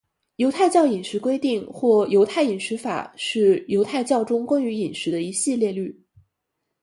犹太教饮食规定或犹太饮食法是犹太教中关于饮食的一系列律。